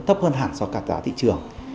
tấp hơn hẳn so với cả giá thị trường